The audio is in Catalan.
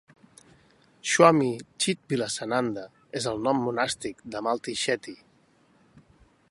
Swami Chidvilasananda és el nom monàstic de Malti Shetty.